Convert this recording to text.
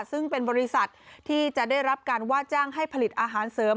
ซึ่งเป็นบริษัทที่จะได้รับการว่าจ้างให้ผลิตอาหารเสริม